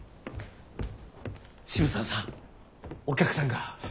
渋沢さんお客さんが。